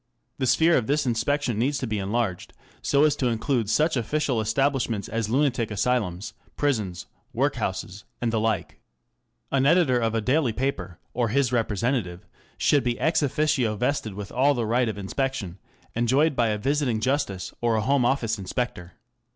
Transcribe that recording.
The sphere of this inspection needs to be enlarged so as to include such official establishments as lunatic asylums, prisons, work houses, and the like. An editor of a daily paper, or his represen VOL. XLIX. Z Z Digitized by Google 674 THE CONTEMPORARY REVIEW. tative, should be ex officio vested with all the right of inspection enjoyed by a visiting justice or a Home Office inspector.